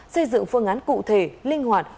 xây dựng phương án cụ thể linh hoạt